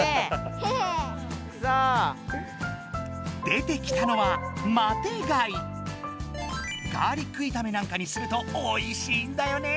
出てきたのはガーリックいためなんかにするとおいしいんだよね！